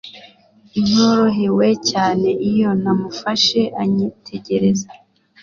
Ntorohewe cyane iyo namufashe anyitegereza